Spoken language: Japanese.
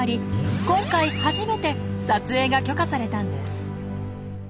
今回初めて撮影が許可されたんです。